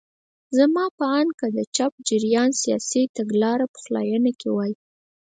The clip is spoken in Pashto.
زما په اند که د چپ جریان سیاسي تګلاره پخلاینه کې وای.